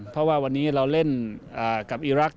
เพราะว่าวันนี้เราเล่นกับอีรักษ